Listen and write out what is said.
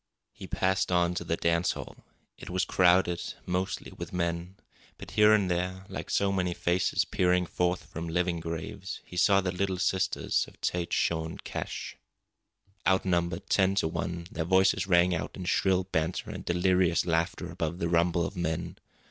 He passed on to the dance hall. It was crowded, mostly with men. But here and there, like so many faces peering forth from living graves, he saw the Little Sisters of Tête Jaune Cache. Outnumbered ten to one, their voices rang out in shrill banter and delirious laughter above the rumble of men.